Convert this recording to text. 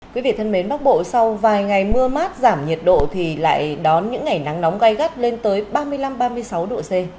quý vị thân mến bắc bộ sau vài ngày mưa mát giảm nhiệt độ thì lại đón những ngày nắng nóng gai gắt lên tới ba mươi năm ba mươi sáu độ c